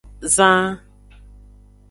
Zan.